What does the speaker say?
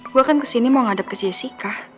gue kan kesini mau ngadap ke jessica